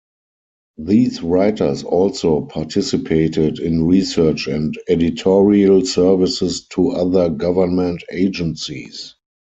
These writers also participated in research and editorial services to other government agencies.